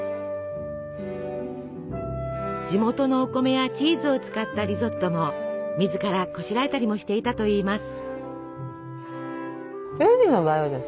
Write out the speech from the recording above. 地元のお米やチーズを使ったリゾットも自らこしらえたりもしていたといいます。